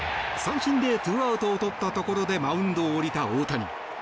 三振で２アウトを取ったところでマウンドを降りた大谷。